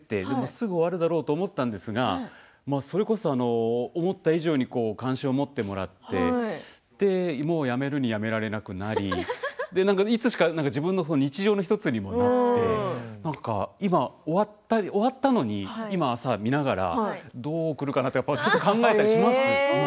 すぐ終わるだろうと思ったんですがそれこそ、思った以上に関心を持ってもらってもうやめるにやめられなくなりいつしか自分の日常の１つにもなって今、終わったのに今朝、見ながら、どう来るかなと考えたりします。